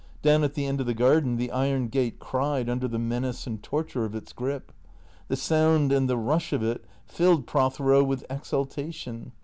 Down at the end of the garden the iron gate cried under the menace and tor ture of its grip. The sound and the rush of it filled Prothero with exultation.